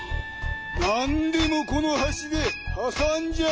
なんでもこのはしではさんじゃうぞ！